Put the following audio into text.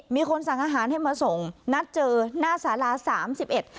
มีคนสั่งอาหารให้มาส่งนัดเจอหน้าสาราสามสิบเอ็ด